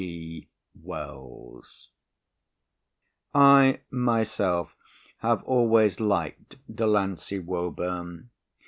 G. WELLS_] I, myself, have always liked Delancey Woburn.